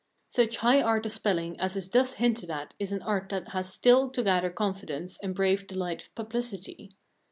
Such high art of spelling as is thus hinted at is an art that has still to gather confidence and brave the light of publicity.